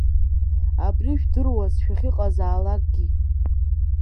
Абри жәдыруаз шәахьыҟазаалакгьы!